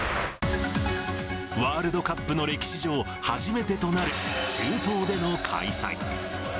ワールドカップの歴史上、初めてとなる中東での開催。